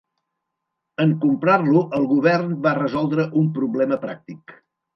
En comprar-lo, el govern va resoldre un problema pràctic.